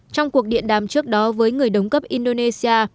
trong cuộc điện đàm trước đó với người đồng cấp indonesia